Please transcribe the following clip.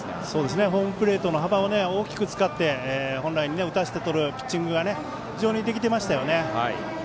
ホームプレートの幅を大きく使って本来の打たせてとるピッチングが非常にできていましたよね。